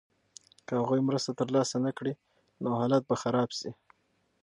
که هغوی مرسته ترلاسه نکړي نو حالت به خراب شي.